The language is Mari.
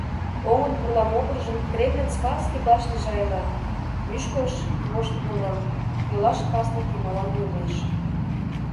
Оҥын пурла могыржым Кремльын Спасский башньыже айла, мӱшкырыш вошт вола, йолаш каснык йымалан йомеш.